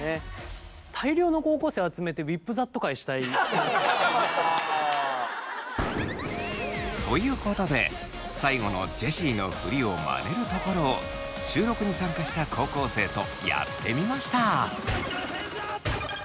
なるほどね。ということで最後のジェシーのフリをマネるところを収録に参加した高校生とやってみました！